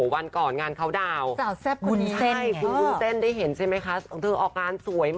วันก่อนก็งานขาวดาว